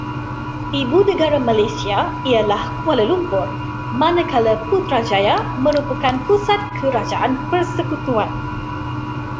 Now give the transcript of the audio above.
Ibu negara Malaysia ialah Kuala Lumpur, manakala Putrajaya merupakan pusat kerajaan persekutuan.